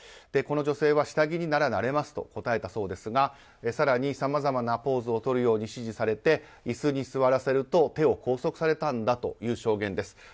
この女性は下着にならなれますと答えたそうですが更に、さまざまなポーズをとるように指示されて椅子に座らせると手を拘束されたという証言です。